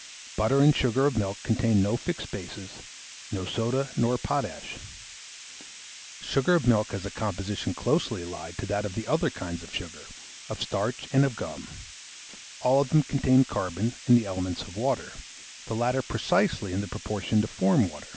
Butter and sugar of milk contain no fixed bases, no soda nor potash. Sugar of milk has a composition closely allied to that of the other kinds of sugar, of starch, and of gum; all of them contain carbon and the elements of water, the latter precisely in the proportion to form water.